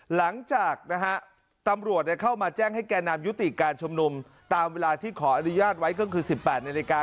หลังจากนะฮะตำรวจเข้ามาแจ้งให้แก่นำยุติการชุมนุมตามเวลาที่ขออนุญาตไว้ก็คือ๑๘นาฬิกา